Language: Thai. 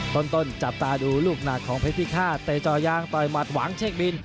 ต้นจับตาดูลูกหนักของเพชรพิฆาตเตะจอยางต่อยหมัดหวังเช็คบิน